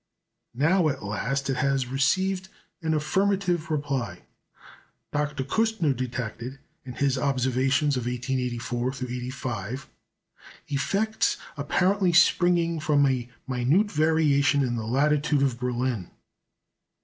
Now at last it has received an affirmative reply. Dr. Küstner detected, in his observations of 1884 85, effects apparently springing from a minute variation in the latitude of Berlin.